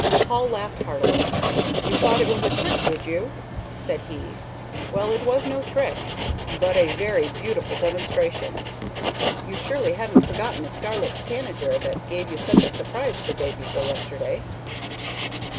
Hall laughed heartily. "You though it was a trick, did you?" said he. "Well, it was no trick, but a very beautiful demonstration. You surely haven't forgotten the scarlet tanager that gave you such a surprise the day before yesterday."